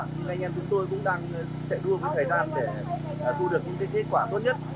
thì anh em chúng tôi cũng đang chạy đua với thời gian để thu được những kết quả tốt nhất